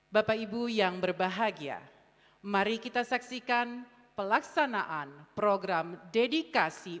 bapak ibu yang berbahagia mari kita saksikan pelaksanaan program dedikasi